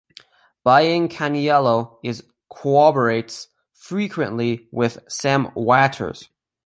Biancaniello is collaborates frequently with Sam Watters.